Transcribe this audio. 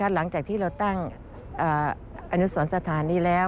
หลังจากที่เราตั้งอนุสรสถานนี้แล้ว